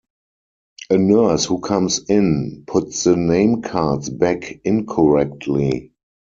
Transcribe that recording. A nurse who comes in puts the name cards back incorrectly.